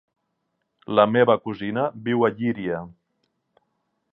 La meva cosina viu a Llíria.